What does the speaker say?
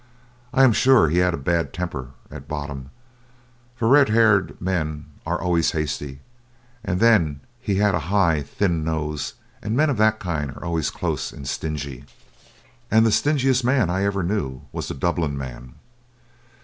I am sure he had a bad temper at bottom, for red haired men are always hasty; and then he had a high, thin nose, and men of that kind are always close and stingy, and the stingiest man I ever knew was a Dublin man.